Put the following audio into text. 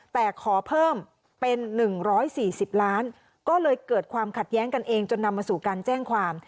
แต่ขอเพิ่มเป็น๑๔๐ล้านก็เลยเกิดความขัดแย้งกันเองจนนำมาสู่การแจ้งความ